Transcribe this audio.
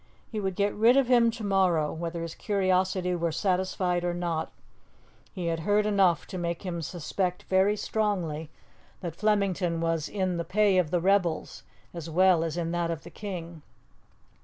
He would get rid of him to morrow, whether his curiosity were satisfied or not: he had heard enough to make him suspect very strongly that Flemington was in the pay of the rebels as well as in that of the King.